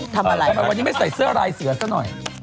ทำอะไรทำไมวันนี้ไม่ใส่เสื้อลายเสือซะหน่อยอ๋อ